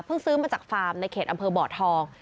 ซื้อมาจากฟาร์มในเขตอำเภอบ่อทอง